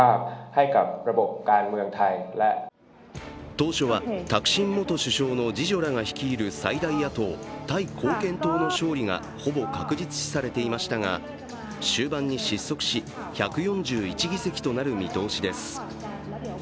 当初は、タクシン元首相の次女らが率いる最大野党、タイ貢献党の勝利がほぼ確実視されていましたが終盤に失速し、１４１議席となる見通しです。